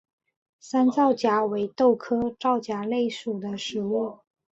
山皂荚为豆科皂荚属的植物。